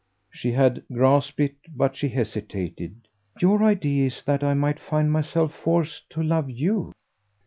She had grasped it, but she hesitated. "Your idea is that I might find myself forced to love YOU?"